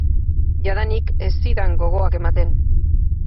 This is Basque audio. Jadanik ez zidan gogoak ematen.